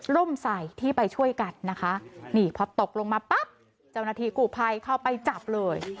ใส่ที่ไปช่วยกันนะคะนี่พอตกลงมาปั๊บเจ้าหน้าที่กูภัยเข้าไปจับเลย